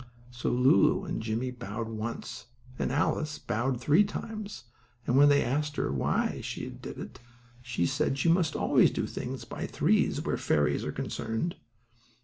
So Lulu and Jimmie bowed once, and Alice bowed three times, and when they asked why she did that she said you must always do things by threes where fairies are concerned.